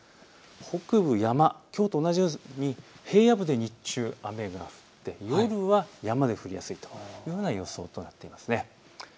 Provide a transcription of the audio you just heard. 北部、山、きょうと同じ、平野部で日中、雨が降って夜は山で降りやすいという予想になっています。